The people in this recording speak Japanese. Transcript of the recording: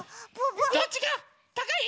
どっちがたかい？